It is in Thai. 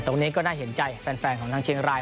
แต่วันนี้ก็น่าเห็นใจแฟนของทางเชียงราย